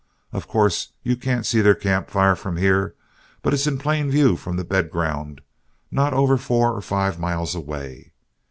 Of course you can't see their camp fire from here, but it's in plain view from the bed ground, and not over four or five miles away.